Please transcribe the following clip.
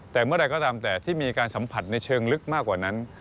แต่เมื่อไหร่ก็ตามแต่ที่มีการสัมผัสในเชิงลึกมากกว่านั้น